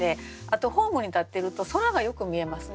あとホームに立ってると空がよく見えますね。